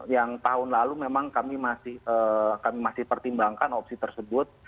yang tahun lalu memang kami masih pertimbangkan opsi tersebut